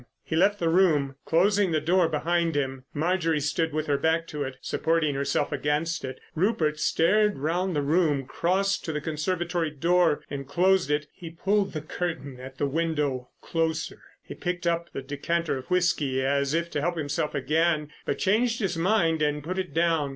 He left the room, closing the door behind him. Marjorie stood with her back to it, supporting herself against it. Rupert stared round the room, crossed to the conservatory door and closed it. He pulled the curtain at the window closer. He picked up the decanter of whisky as if to help himself again, but changed his mind and put it down.